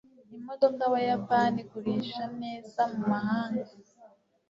imodoka y'abayapani igurisha neza mumahanga